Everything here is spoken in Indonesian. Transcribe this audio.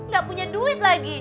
gak punya duit lagi